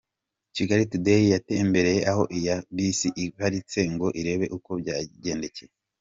Kigali Today yatembereye aho iyi bisi iparitse ngo irebe uko byayigendekeye.